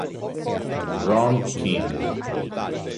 Ron King